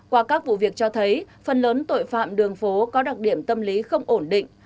qua các vụ việc cho thấy phần lớn tội phạm đường phố có đặc điểm tâm lý không ổn định